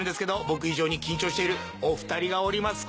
僕以上に緊張しているお２人がおります